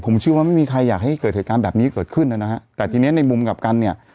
ผมเชื่อว่าไม่มีใครอยากให้เกิดเหตุการณ์แบบนี้เกิดขึ้นนะฮะแต่ทีนี้ในมุมกลับกันเนี่ย